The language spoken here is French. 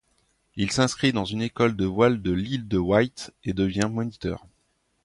Il s'inscrit dans une école de voile de l'île de Wight et devient moniteur.